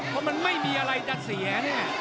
เพราะมันไม่มีอะไรจะเสียเนี่ย